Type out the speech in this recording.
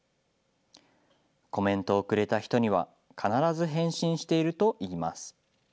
コメントをくれた人には、必ず返信しているといいます。